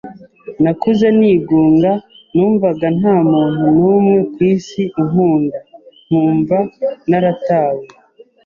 nakuze nigunga numvaga nta muntu numwe kw’isi unkunda, nkumva naratawe.